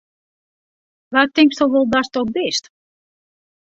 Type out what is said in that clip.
Wa tinksto wol datsto bist!